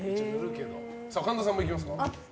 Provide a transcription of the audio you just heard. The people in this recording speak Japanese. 神田さんもいきますか。